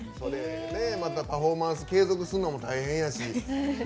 またパフォーマンス継続するのも大変やし。